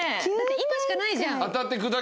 今しかないじゃん。